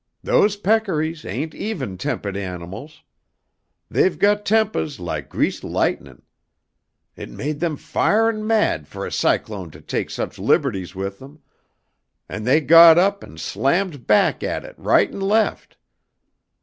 "Those peccaries ain't even tempahd animals. "They've got tempahs laik greased lightnin'. It made them firin' mad fo' a cyclone to take such liberties with them, and they got up and slammed back at it right and left.